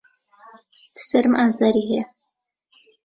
سەرم ئازاری هەیە.